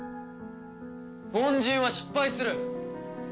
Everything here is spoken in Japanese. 凡人は失敗する。